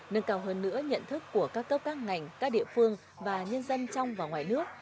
nâng cao hơn nữa nhận thức của các cấp các ngành các địa phương và nhân dân trong và ngoài nước